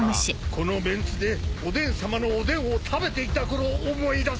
このメンツでおでんさまのおでんを食べていたころを思い出す。